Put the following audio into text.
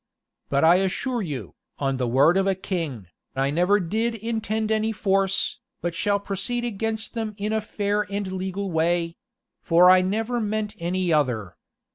But I assure you, on the word of a king, I never did intend any force, but shall proceed against them in a fair and legal way; for I never meant any other.